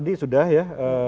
tadi sudah ya